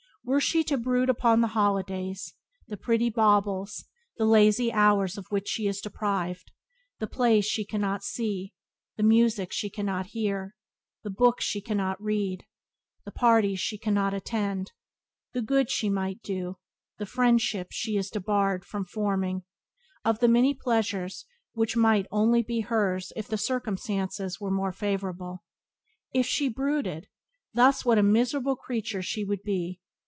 Were she to brood upon the holidays, the pretty baubles, the lazy hours of which she is deprived; of the plays she cannot see, the music she cannot hear, the books she cannot read, the parties she cannot attend, the good she might do, the friendships she is debarred from forming; of the many pleasures which might only be hers if her circumstances were more favourable — if she brooded thus what a miserable creature she would be!